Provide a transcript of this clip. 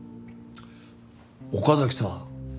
岡崎さん。